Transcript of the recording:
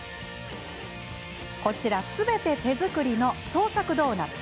こちら、すべて手作りの創作ドーナツ。